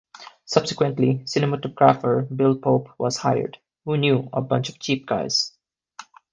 Subsequently, cinematographer Bill Pope was hired, who knew "a bunch of cheap guys".